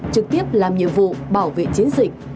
trực tiếp làm nhiệm vụ bảo vệ chiến dịch